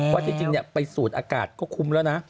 พอที่จริงเนี่ยไปสูดอากาศก็คุ้มแล้วนะ